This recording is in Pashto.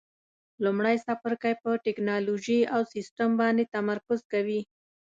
لومړی څپرکی په ټېکنالوجي او سیسټم باندې تمرکز کوي.